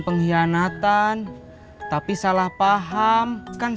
terus nasinya diapain bang